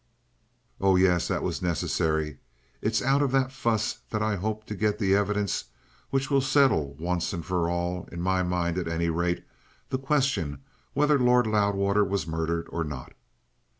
"Oh, yes. That was necessary. It's out of that fuss that I hope to get the evidence which will settle once and for all, in my mind at any rate, the question whether Lord Loudwater was murdered or not."